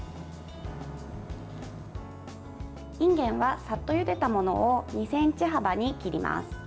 いんげんは、さっとゆでたものを２ｃｍ幅に切ります。